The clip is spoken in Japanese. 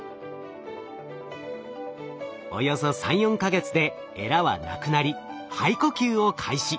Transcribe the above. およそ３４か月でエラはなくなり肺呼吸を開始。